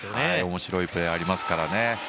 面白いプレーがありますからね。